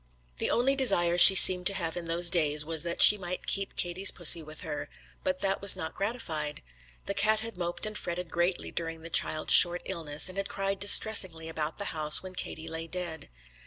The only desire she seemed to have in those days was that she might keep Katie's pussy with her, but that was not gratified. The cat had moped and fretted greatly during the child's short illness, and had cried distressingly about the house when Katie lay dead.